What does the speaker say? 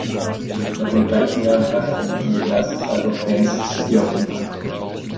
Noch im gleichen Jahr brachten sie ihr erstes Album "Dance City" auf den Markt.